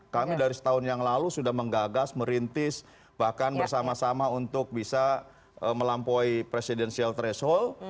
kami dari setahun yang lalu sudah menggagas merintis bahkan bersama sama untuk bisa melampaui presidensial threshold